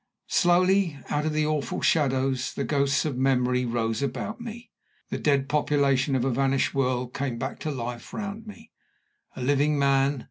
Slowly, out of the awful shadows, the Ghosts of Memory rose about me. The dead population of a vanished world came back to life round me, a living man.